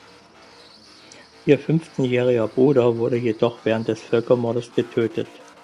Ihr fünfzehnjähriger Bruder wurde jedoch während des Völkermordes getötet.